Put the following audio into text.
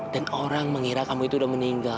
dan orang mengira kamu itu udah meninggal